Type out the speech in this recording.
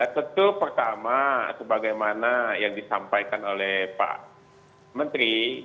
tentu pertama sebagaimana yang disampaikan oleh pak menteri